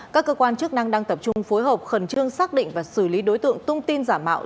các cơ quan chức năng đang tập trung phối hợp khẩn trương xác định và xử lý đối tượng tung tin giả mạo